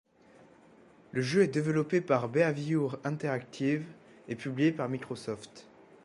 Le jeu est développé par Behaviour Interactive et publié par Microsoft.